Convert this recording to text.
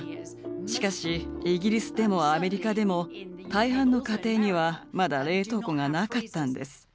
しかしイギリスでもアメリカでも大半の家庭にはまだ冷凍庫がなかったんです。